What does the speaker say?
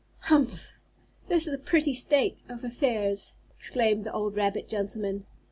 "Humph! This is a pretty state of affairs!" exclaimed the old rabbit gentleman.